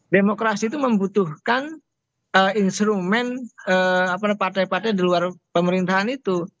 demokrasi itu membutuhkan instrumen partai partai di luar pemerintahan itu